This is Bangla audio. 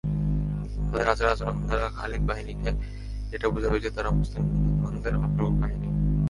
তাদের আচার-আচরণ দ্বারা খালিদ বাহিনীকে এটা বুঝাবে যে, তারা মুসলমানদের অগ্রবাহিনী।